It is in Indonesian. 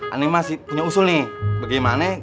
aneh masih punya usul nih